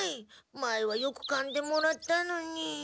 前はよくかんでもらったのに。